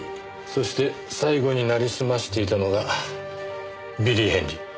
そして最後に成りすましていたのがビリー・ヘンリー。